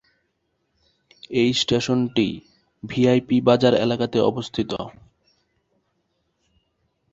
এই স্টেশনটি ভিআইপি বাজার এলাকাতে অবস্থিত।